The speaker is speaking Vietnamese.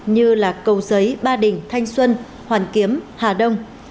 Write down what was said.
như cầu giấy ba đình thanh xuân hoàn kiếm hà đông